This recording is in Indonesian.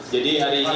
jadi hari ini